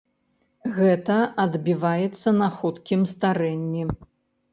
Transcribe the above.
Гэта адбіваецца на хуткім старэнні.